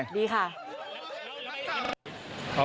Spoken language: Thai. ดีค่ะ